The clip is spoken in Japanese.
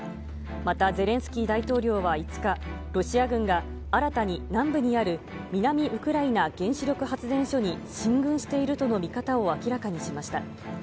またゼレンスキー大統領は５日、ロシア軍が新たに南部にある南ウクライナ原子力発電所に進軍しているとの見方を明らかにしました。